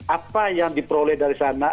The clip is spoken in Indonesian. apa yang diperoleh dari sana